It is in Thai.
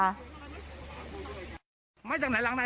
ไหมทางหลังไหนหลังแรก